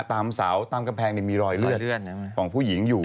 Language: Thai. ตามเสาตามกำแพงมีรอยเลือดของผู้หญิงอยู่